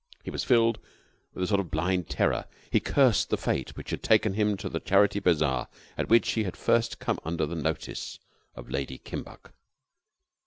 He was filled with a sort of blind terror. He cursed the fate which had taken him to the Charity Bazaar at which he had first come under the notice of Lady Kimbuck.